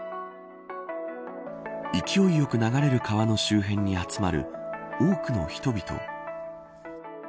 勢いよく流れる川の周辺に集まる多くの人々。